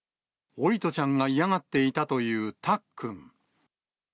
桜利斗ちゃんが嫌がっていたという、たっくん。